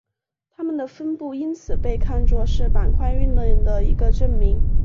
它们的分布因此被看作是板块运动的一个证明。